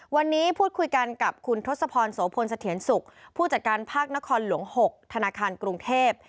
วันนี้พูดคุยกันกับคุณทศพรโสพลเสถียรสุขผู้จัดการภาคนครหลวง๖ธนาคารกรุงเทพ